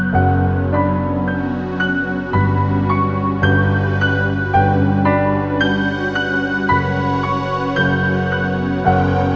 saya harus suruh perl tab